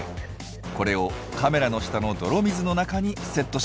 これをカメラの下の泥水の中にセットします。